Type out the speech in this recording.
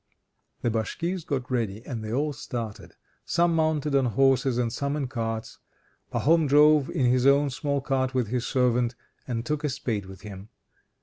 VIII The Bashkirs got ready and they all started: some mounted on horses, and some in carts. Pahom drove in his own small cart with his servant, and took a spade with him.